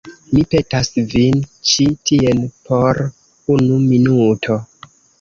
Mi petas vin ĉi tien por unu minuto.